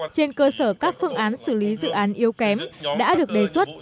trên cơ sở các phương án xử lý dự án yếu kém đã được đề xuất